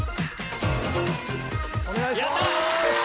お願いします！